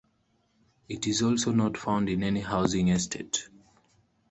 It is also not found in any housing estate.